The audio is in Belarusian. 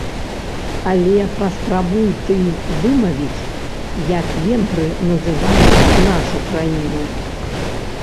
Але паспрабуй ты вымавіць, як венгры называюць нашую краіну!